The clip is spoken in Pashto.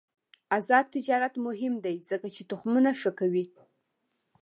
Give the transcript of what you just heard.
آزاد تجارت مهم دی ځکه چې تخمونه ښه کوي.